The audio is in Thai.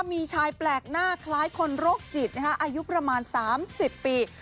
มีชายแปลกหน้าคล้ายคนโรคจิตอายุประมาณ๓๐ปี